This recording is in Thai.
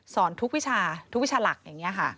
ทุกวิชาทุกวิชาหลักอย่างนี้ค่ะ